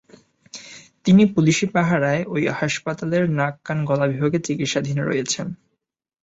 তিনি পুলিশি পাহারায় ওই হাসপাতালের নাক কান গলা বিভাগে চিকিৎসাধীন রয়েছেন।